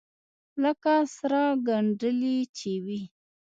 لکه سره گنډلې چې وي.